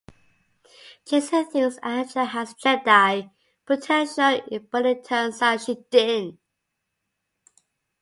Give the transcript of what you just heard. Jacen thinks Anja has Jedi potential, but it turns out she didn't.